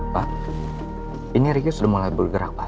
pak ini ricky sudah mulai bergerak pak